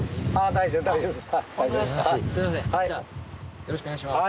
よろしくお願いします